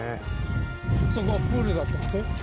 そこはプールだったんですよ。